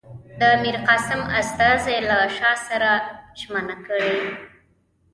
د میرقاسم استازي له شاه سره ژمنه کړې.